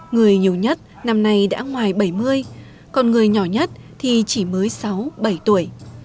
người nhiều nhất năm nay đã ngoài bảy mươi còn người nhỏ nhất thì chỉ mới sáu bảy tuổi